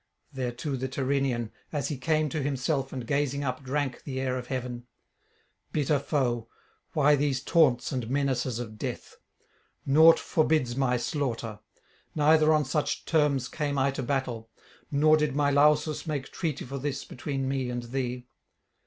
Thereto the Tyrrhenian, as he came to himself and gazing up drank the air of heaven: 'Bitter foe, why these taunts and menaces of death? Naught forbids my slaughter; neither on such terms came I to battle, nor did my Lausus make treaty for this between me and thee.